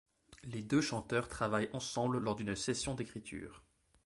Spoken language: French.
Les deux chanteurs travaillent ensemble lors d'une session d'écriture.